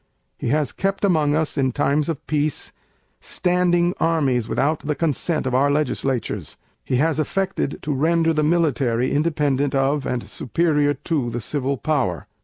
He has kept among us, in times of peace, Standing Armies without the Consent of our legislatures. He has affected to render the Military independent of and superior to the Civil Power.